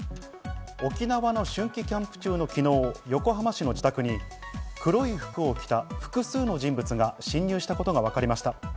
沖縄の春季キャンプ中の昨日、横浜市の自宅に黒い服を着た複数の人物が侵入したことがわかりました。